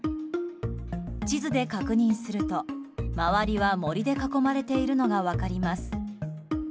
地図を拡大すると周りは森で囲まれているのが分かります。